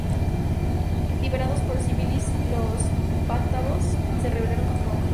Liderados por Civilis, los bátavos se rebelaron contra Roma.